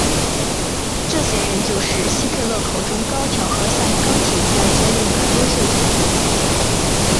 这群人就是希特勒口中高挑和像钢铁一样坚硬的优秀种族。